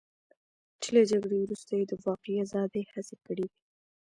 چې له جګړې وروسته یې د واقعي ازادۍ هڅې کړې وې.